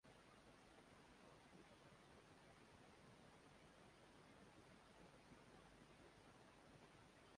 mecedes ben ni magari yanayoaminiwa kiusalama kulingana na yaliundwa